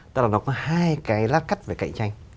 tức là nó có hai cái lát cắt về cạnh tranh